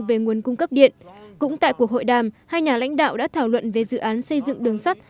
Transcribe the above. về nguồn cung cấp điện cũng tại cuộc hội đàm hai nhà lãnh đạo đã thảo luận về dự án xây dựng đường sắt